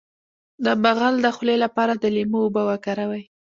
د بغل د خولې لپاره د لیمو اوبه وکاروئ